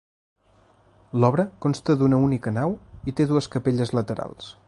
L'obra consta d'una única nau i té dues capelles laterals.